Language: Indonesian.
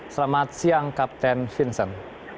selamat siang kapten vincent